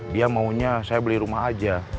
dia maunya saya beli rumah aja